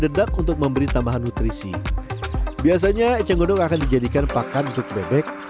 dedak untuk memberi tambahan nutrisi biasanya eceng gondong akan dijadikan pakan untuk bebek